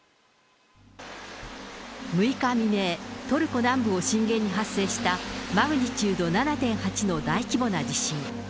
６日未明、トルコ南部を震源に発生したマグニチュード７．８の大規模な地震。